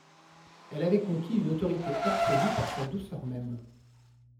Elle avait conquis une autorité absolue, par sa douceur même.